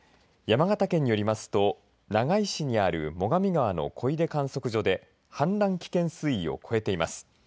山形県によりますと長井市にある最上川の小出観測所で氾濫危険水位を越えています。